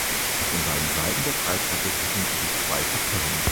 Auf den beiden Seiten der Freitreppe befinden sich zwei Kapellen.